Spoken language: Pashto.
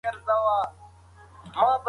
خپل مسواک په پاک ځای کې وساتئ.